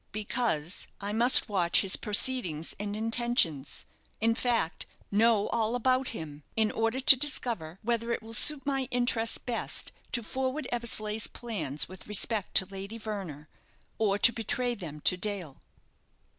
"Because I must watch his proceedings and intentions in fact, know all about him in order to discover whether it will suit my interests best to forward Eversleigh's plans with respect to Lady Verner, or to betray them to Dale."